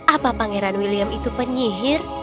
apa pangeran william itu penyihir